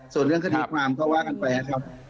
ส่วนเรื่องคดีความก็ว่ากันไปนะครับ